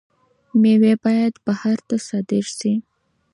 میوې باید بهر ته صادر شي.